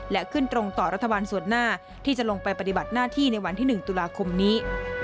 และขึ้นตรงต่อรัฐบาลส่วนหน้าที่จะลงไปปฏิบัติหน้าที่ในวันที่๑ตุลาคมนี้